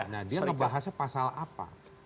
nah dia ngebahasnya pasal apa